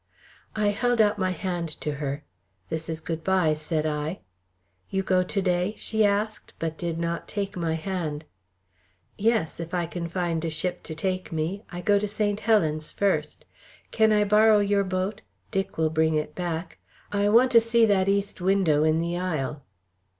I held out my hand to her. "This is good bye," said I. "You go to day?" she asked, but did not take my hand. "Yes, if I can find a ship to take me. I go to St. Helen's first. Can I borrow your boat; Dick will bring it back. I want to see that east window in the aisle."